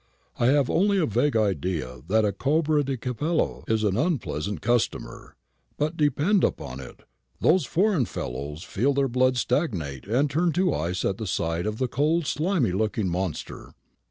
I have only a vague idea that a cobra de capello is an unpleasant customer; but depend upon it, those foreign fellows feel their blood stagnate and turn to ice at sight of the cold slimy looking monster.